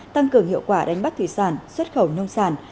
tăng cường hiệu quả đánh bắt thủy sản xuất khẩu nông sản